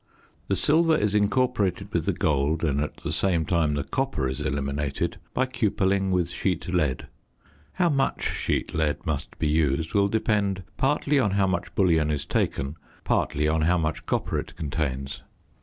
The silver is incorporated with the gold, and at the same time the copper is eliminated, by cupelling with sheet lead. How much sheet lead must be used will depend partly on how much bullion is taken, partly on how much copper it contains.